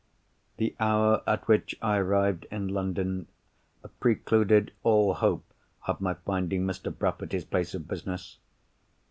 The hour at which I arrived in London precluded all hope of my finding Mr. Bruff at his place of business.